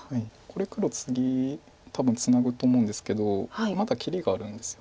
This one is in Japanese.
これ黒次多分ツナぐと思うんですけどまだ切りがあるんです。